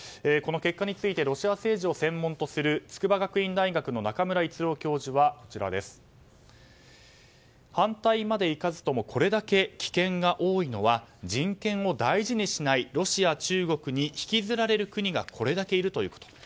この結果についてロシア政治を専門とする筑波学院大学の中村逸郎教授は反対までいかずともこれだけ棄権が多いのは人権を大事にしないロシア、中国に引きずられる国がこれだけいるということ。